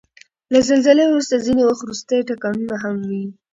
له زلزلې وروسته ځینې وخت وروستی ټکانونه هم وي.